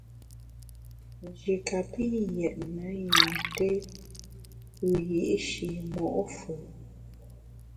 Nji kapi yètne yin té wiyi’shi mo’ fù’.